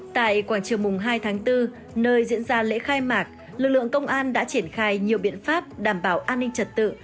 tại quảng trường mùng hai tháng bốn nơi diễn ra lễ khai mạc lực lượng công an đã triển khai nhiều biện pháp đảm bảo an ninh trật tự